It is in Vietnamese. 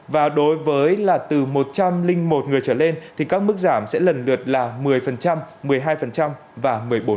và đối với là từ một trăm linh một người trở lên thì các mức giảm sẽ lần lượt là một mươi một mươi hai và một mươi bốn